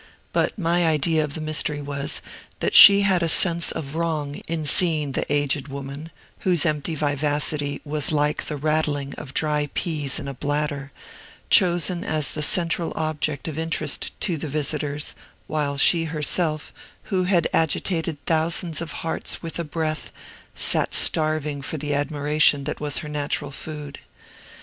But my idea of the mystery was, that she had a sense of wrong in seeing the aged woman (whose empty vivacity was like the rattling of dry peas in a bladder) chosen as the central object of interest to the visitors, while she herself, who had agitated thousands of hearts with a breath, sat starving for the admiration that was her natural food.